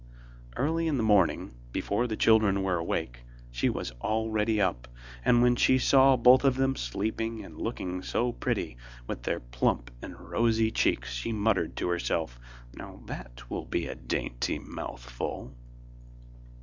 Early in the morning before the children were awake, she was already up, and when she saw both of them sleeping and looking so pretty, with their plump and rosy cheeks she muttered to herself: 'That will be a dainty mouthful!